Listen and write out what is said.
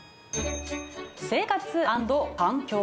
生活＆環境。